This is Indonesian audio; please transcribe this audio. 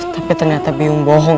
tapi ternyata biung bohong